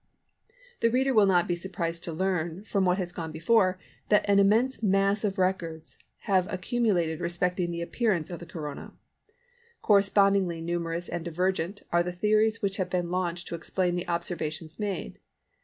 The reader will not be surprised to learn, from what has gone before, that an immense mass of records have accumulated respecting the appearance of the Corona. Correspondingly numerous and divergent are the theories which have been launched to explain the observations made.